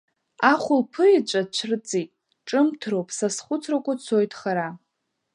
Ахәылԥы еҵәа цәрҵит, ҿымҭроуп, са схәыцрақәа цоит хара.